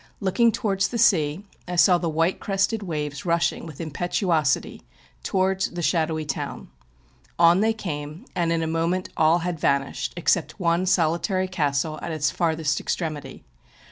Looking towards the sea, I saw the white crested waves nulling with impetuosity towards the shadowy town. On they came, and in a moment all had vanished, except one solitary castle, at its farthest extremity.